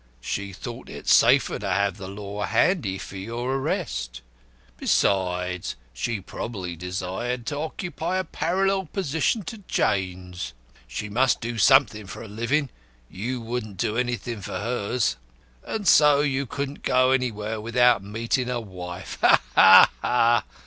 "She thought it safer to have the law handy for your arrest. Besides, she probably desired to occupy a parallel position to Jane's. She must do something for a living; you wouldn't do anything for hers. And so you couldn't go anywhere without meeting a wife! Ha! ha! ha!